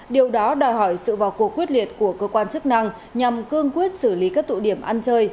điều đó đòi hỏi sự vào cuộc quyết liệt của cơ quan chức năng nhằm cương quyết xử lý các tụ điểm ăn chơi